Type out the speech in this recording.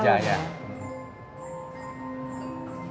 yang sudah beratus tahun